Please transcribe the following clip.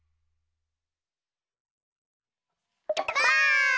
ばあっ！